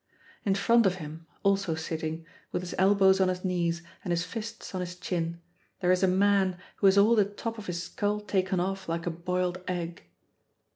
In front of him, also sitting, with his elbows on his knees and his fists on his chin, there is a man who has all the top of his skull taken off like a boiled egg.